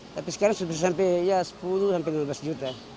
tapi sekarang sudah sampai ya sepuluh sampai lima belas juta